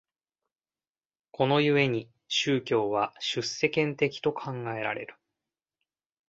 この故に宗教は出世間的と考えられる。